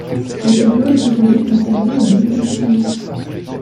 Le tableau est aujourd’hui conservé au Musée du Louvre.